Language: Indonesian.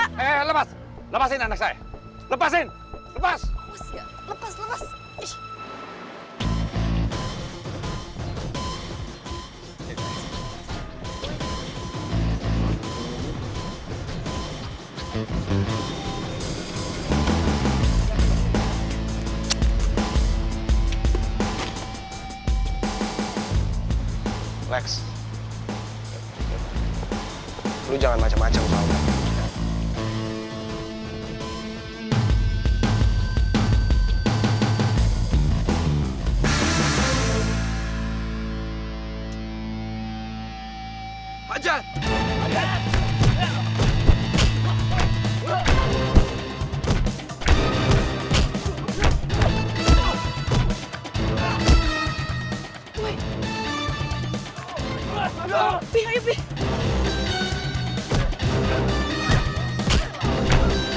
hei lepas lepasin anak saya lepasin lepas